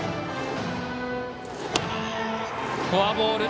フォアボール。